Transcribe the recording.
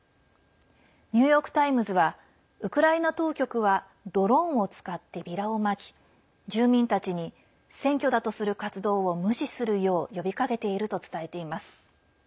ニューヨーク・タイムズはウクライナ当局はドローンを使ってビラをまき住民たちに選挙だとする活動を無視するよう呼びかけていると伝えています。